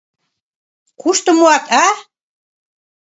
Кушто муат, а?